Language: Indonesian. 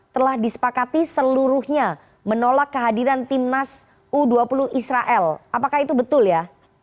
telah disepakati seluruhnya menolak kehadiran timnas u dua puluh israel apakah itu betul ya